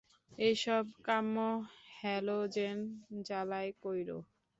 এইসব কাম হ্যালোজেন জালায় কইরো।